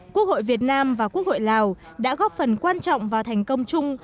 quốc hội việt nam và quốc hội lào đã góp phần quan trọng vào thành công chung